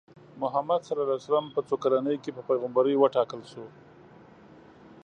محمد ص په څو کلنۍ کې په پیغمبرۍ وټاکل شو؟